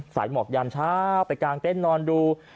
หมอกยามเช้าไปกางเต้นนอนดู